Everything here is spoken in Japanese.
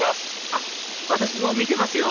あっ私も見てますよ